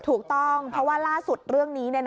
ถูกต้องเพราะว่าล่าสุดเรื่องนี้